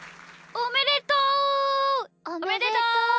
おめでとう！